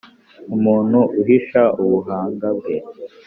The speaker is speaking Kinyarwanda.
umuntu uhisha ubuhanga bwe.